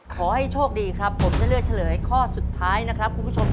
ขอให้โชคดีครับผมจะเลือกเฉลยข้อสุดท้ายนะครับคุณผู้ชม